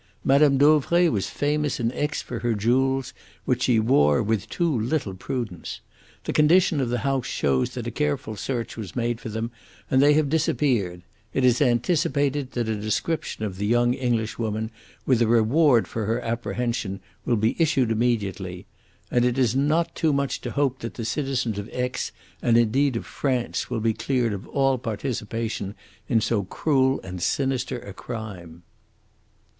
Mme. Dauvray was famous in Aix for her jewels, which she wore with too little prudence. The condition of the house shows that a careful search was made for them, and they have disappeared. It is anticipated that a description of the young Englishwoman, with a reward for her apprehension, will be issued immediately. And it is not too much to hope that the citizens of Aix, and indeed of France, will be cleared of all participation in so cruel and sinister a crime."